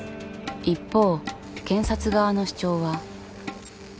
一方検察側の主張は。